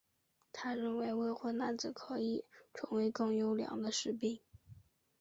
他认为未婚男子可以成为更优良的士兵。